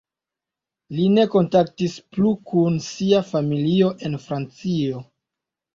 Li ne kontaktis plu kun sia familio en Francio.